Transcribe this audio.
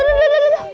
aduh aduh aduh aduh